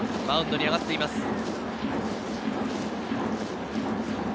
マウンドに上がっています。